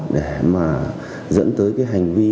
để mà dẫn tới cái hành vi